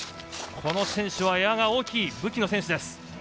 この選手はエアが大きい武器の選手です。